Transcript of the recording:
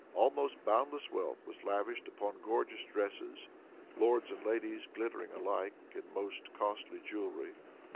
Almost boundless wealth was lavished upon gorgeous dresses lords and ladies glittering alike in most costly jewelry.